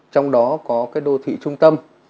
trong đó có cái đô thị trung tâm